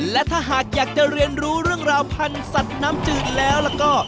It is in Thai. และถ้าหากอยากจะเรียนรู้เรื่องราวพันธุ์สัตว์น้ำจืดแล้วแล้วก็